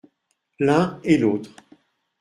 L’un et l’autre.